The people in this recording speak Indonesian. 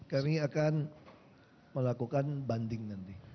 kami akan melakukan banding nanti